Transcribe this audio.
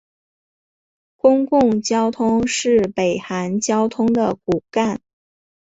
公共交通是北韩交通的骨干。